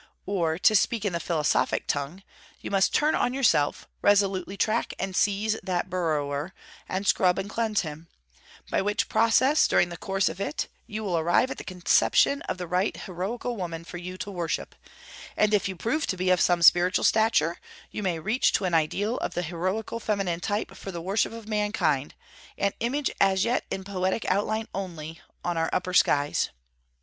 Or, to speak in the philosophic tongue, you must turn on yourself, resolutely track and seize that burrower, and scrub and cleanse him; by which process, during the course of it, you will arrive at the conception of the right heroical woman for you to worship: and if you prove to be of some spiritual stature, you may reach to an ideal of the heroical feminine type for the worship of mankind, an image as yet in poetic outline only, on our upper skies.